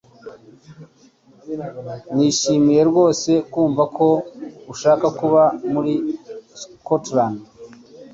Nishimiye rwose kumva ko ushaka kuba muri Scotland